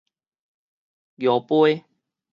蟯桮